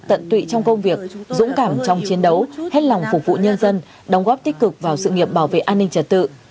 tận tụy trong công việc dũng cảm trong chiến đấu hết lòng phục vụ nhân dân đóng góp tích cực vào sự nghiệp bảo vệ an ninh trật tự